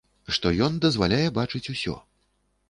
Што ён дазваляе бачыць усё.